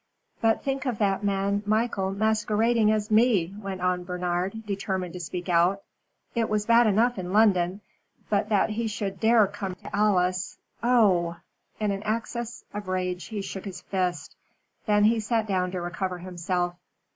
"But think of that man Michael masquerading as me," went on Bernard, determined to speak out. "It was bad enough in London, but that he should dare to come to Alice oh!" in an access of rage he shook his fist. Then he sat down to recover himself.